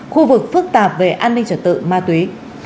khu vực phức tạp về an ninh trật tự ma túy